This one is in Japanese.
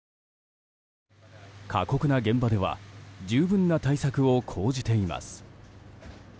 過酷な現場では十分な対策を講じています。